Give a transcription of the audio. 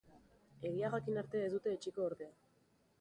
Egia jakin arte ez dute etsiko ordea.